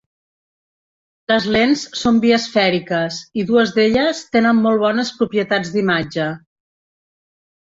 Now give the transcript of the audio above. Les lents són biesfèriques i dues d'elles tenen molt bones propietats d'imatge.